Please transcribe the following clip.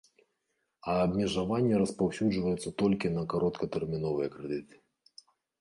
А абмежаванне распаўсюджваецца толькі на кароткатэрміновыя крэдыты.